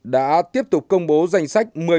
đã tiếp tục công bố danh sách một mươi nguồn nước